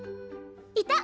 いた！